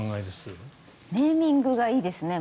ネーミングがいいですね。